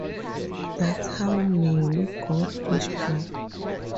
That's how Manny got his job.